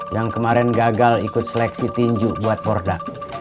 yang kemarin gagal ikut seleksi tinju buat porda